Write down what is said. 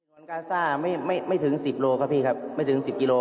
ส่วนกาซ่าไม่ถึง๑๐โลครับพี่ครับไม่ถึง๑๐กิโล